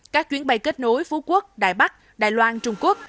các chuyến bay kết nối phú quốc đài bắc đài loan trung quốc